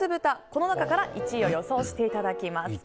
この中から１位を予想していただきます。